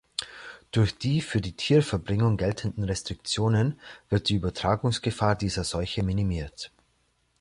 Durch die für die Tierverbringung geltenden Restriktionen wird die Übertragungsgefahr dieser Seuche minimiert.